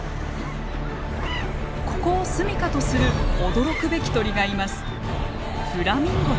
ここを住みかとする驚くべき鳥がいます。